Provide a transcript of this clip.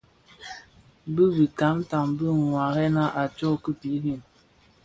Bi bitamtam dhi waarèna a tsog ki birim.